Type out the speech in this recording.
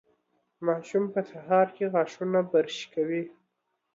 ماشوم په سهار کې غاښونه برش کوي.